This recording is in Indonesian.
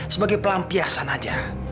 sebagai pelampiasan aja